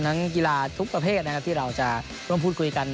ทั้งกีฬาทุกประเภทที่เราจะร่วมพูดคุยกัน